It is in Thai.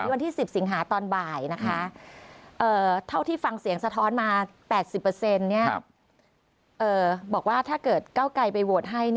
วันที่๑๐สิงหาตอนบ่ายนะคะเท่าที่ฟังเสียงสะท้อนมา๘๐บอกว่าถ้าเกิดเก้าไกลไปโหวตให้